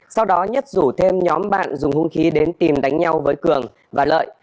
sau đó nhất rủ thêm nhóm bạn dùng hung khí đến tìm đánh nhau với cường và lợi